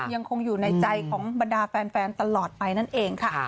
ยังคงอยู่ในใจของบรรดาแฟนตลอดไปนั่นเองค่ะ